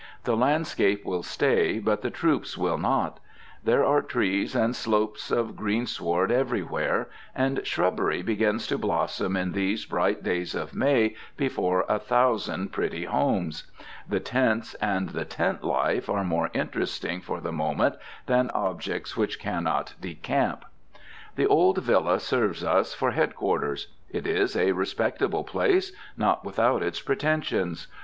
The landscape will stay, but the troops will not. There are trees and slopes of green sward elsewhere, and shrubbery begins to blossom in these bright days of May before a thousand pretty homes. The tents and the tent life are more interesting for the moment than objects which cannot decamp. The old villa serves us for head quarters. It is a respectable place, not without its pretensions.